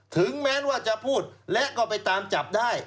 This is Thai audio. ถึงแม้ว่าจะพูดและก็ไปตามจับได้